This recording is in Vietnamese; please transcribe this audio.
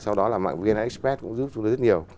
sau đó là mạng vnxpet cũng giúp chúng tôi rất nhiều